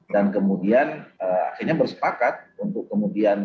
dan kemudian akhirnya bersepakat untuk kemudian